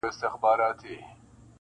• د واسکټونو دوکانونه ښيي -